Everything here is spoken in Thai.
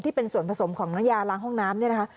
เป็นส่วนผสมของน้ำยาล้างห้องน้ำเนี่ยนะคะ